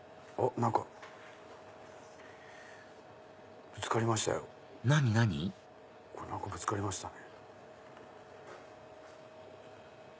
何かぶつかりましたね。